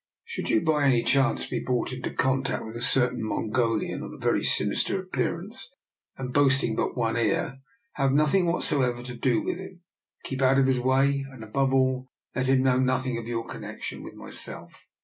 Should you by any chance be brought into contact with a certain Mongolian of very sin ister appearance, and boasting but one ear, have nothing whatsoever to do with him. Keep out of his way, and above all let him know nothing of your connection with myself.